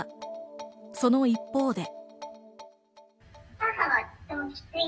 その一方で。